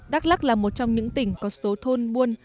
đắk lắc là một trong những tỉnh có số thôn buôn